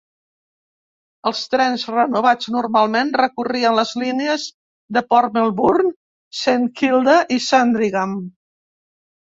Els trens renovats normalment recorrien les línies de Port Melbourne, Saint Kilda i Sandringham.